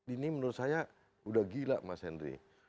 ini menurut saya udah gila mas henry